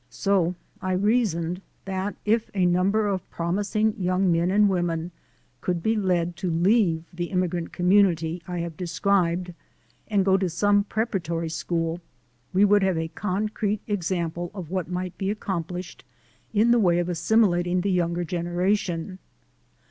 So I reasoned that if a number of promising young men and women could be led to leave the immi grant community I have described and go to some preparatory school, we would have a concrete ex ample of what might be accomplished in the way of assimilating the younger generation.